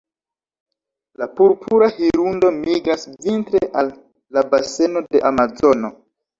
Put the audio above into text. La Purpura hirundo migras vintre al la baseno de Amazono.